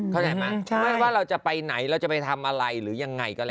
เข้าใจไหมไม่ว่าเราจะไปไหนเราจะไปทำอะไรหรือยังไงก็แล้ว